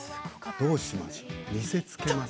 どうします？